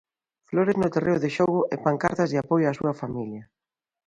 Flores no terreo de xogo e pancartas de apoio á súa familia.